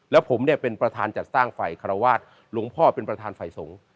แล้วผมเป็นประธานจัดสร้างไฟขระวาดหลวงพ่อเป็นประธานไฟสงฆ์